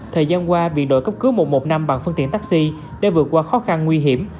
thời gian qua biệt đội cấp cứu một trăm một mươi năm bằng phương tiện taxi đã vượt qua khó khăn nguy hiểm